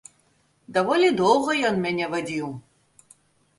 Даволі доўга ён мяне вадзіў.